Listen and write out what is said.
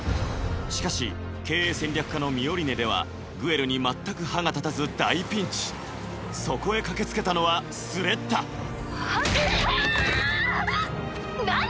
しかし経営戦略科のミオリネではグエルに全く歯が立たず大ピンチそこへ駆けつけたのはスレッタゴン！